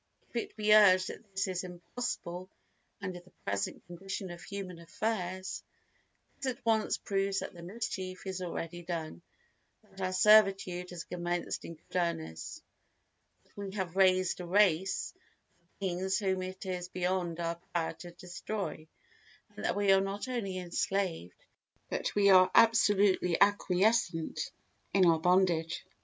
If it be urged that this is impossible under the present condition of human affairs, this at once proves that the mischief is already done, that our servitude has commenced in good earnest, that we have raised a race of beings whom it is beyond our power to destroy and that we are not only enslaved but are absolutely acquiescent in our bondage.